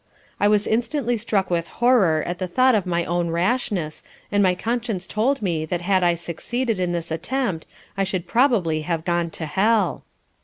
I was instantly struck with horror at the thought of my own rashness, and my conscience told me that had I succeeded in this attempt I should probably have gone to hell.